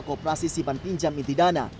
kooperasi simpan pinjam inti dana